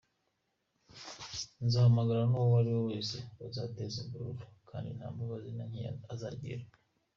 Nzahangana n’uwo ari wese uzateza imvururu, kandi nta mbabazi na nkeya azagirirwa.